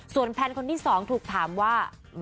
ส่วนแพลนคนที่๒ถูกถามว่า